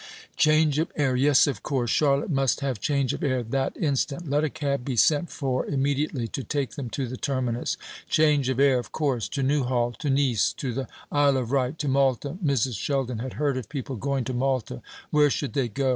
Change of air yes, of course Charlotte must have change of air that instant. Let a cab be sent for immediately to take them to the terminus. Change of air, of course. To Newhall to Nice to the Isle of Wight to Malta; Mrs. Sheldon had heard of people going to Malta. Where should they go?